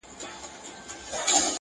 بيا به تاوان راکړې د زړگي گلي.